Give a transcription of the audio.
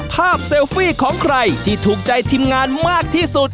เซลฟี่ของใครที่ถูกใจทีมงานมากที่สุด